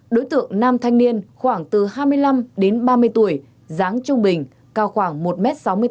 đối tượng nam thanh niên khoảng từ hai mươi năm đến ba mươi tuổi dáng trung bình cao khoảng một m sáu mươi tám